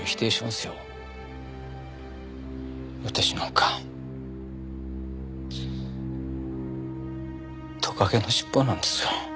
私なんかトカゲの尻尾なんですよ。